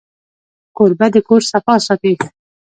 کوربه د کور صفا ساتي.